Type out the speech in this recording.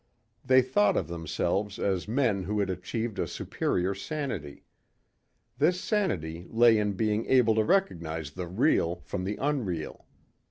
They thought of themselves as men who had achieved a superior sanity. This sanity lay in being able to recognize the real from the unreal.